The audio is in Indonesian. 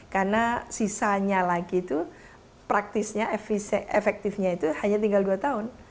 karena sisanya lagi itu praktisnya efektifnya itu hanya tinggal dua tahun